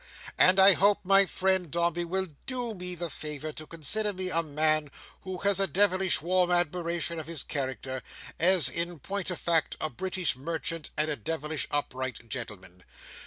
And I hope my friend Dombey will do me the favour to consider me a man who has a devilish warm admiration of his character, as, in point of fact, a British merchant and a devilish upright gentleman.